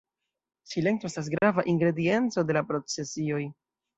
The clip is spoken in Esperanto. Silento estas grava ingredienco de la procesioj.